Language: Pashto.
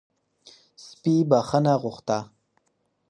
سپي بښنه غوښته